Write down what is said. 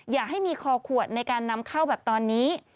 อย่าให้มีคอขวดในการนำเข้าแบบตอนนี้